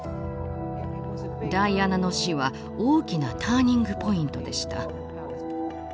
ダイアナの死は大きなターニングポイントでした。